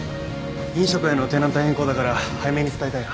飲食へのテナント変更だから早めに伝えたいな。